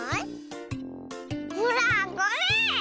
ほらこれ！